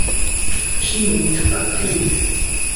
She moved to Baku.